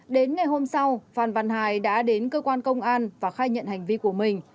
đến ngày hôm sau phan văn hải đã đến cơ quan công an và khai nhận hành vi của mình